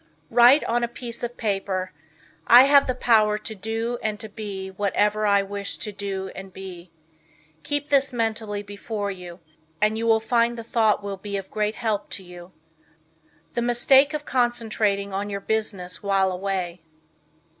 Write on a piece of paper, "I have the power to do and to be whatever I wish to do and be." Keep this mentally before you, and you will find the thought will be of great help to you. The Mistake of Concentrating on Your Business While Away.